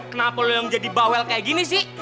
kenapa lo yang jadi bawel kayak gini sih